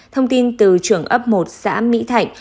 thông tin từ trưởng ấp một xã mỹ thạnh